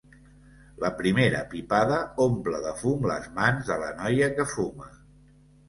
La primera pipada omple de fum les mans de la noia que fuma.